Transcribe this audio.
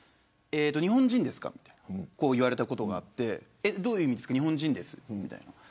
日本人ですかと言われたことがあってどういう意味ですか日本人ですと。